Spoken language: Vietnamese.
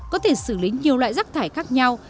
có thể xử lý nhiều loại rác thải khác nhau